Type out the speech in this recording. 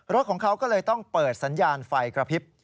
รถของเขาก็เลยต้องเปิดสัญญาณไฟกระพริบ